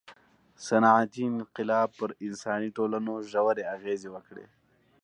• صنعتي انقلاب پر انساني ټولنو ژورې اغېزې وکړې.